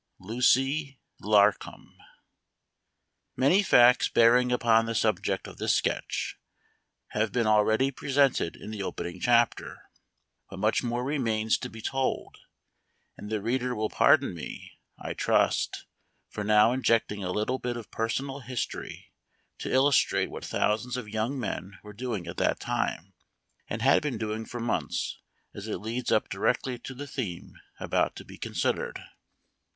Lucy Larcom. ANY facts bearing upon the subject of this sketch have been already presented in the opening chapter, but much more remains to be tokl, and the reader will pardon me, I trust, for now injecting a little bit of personal history to illustrate what thousands of j^oung men were doing at that time, and had been doing for months, as it leads up directly to the theme about to be considered.